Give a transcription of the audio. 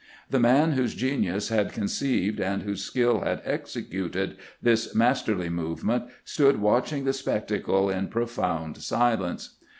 The man whose genius had ^ conceived and whose skill had executed this masterly movement stood watching the spectacle in profound silence.